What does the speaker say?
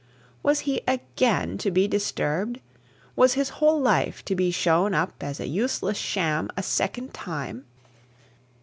Was he again to be disturbed? Was his whole life to be shown up as a useless sham a second time?